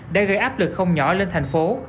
đã gây áp lực không nhỏ lên thành phố